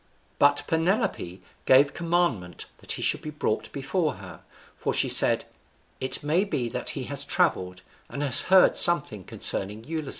But Penelope gave commandment that he should be brought before her, for she said, "It may be that he has travelled, and has heard something concerning Ulysses."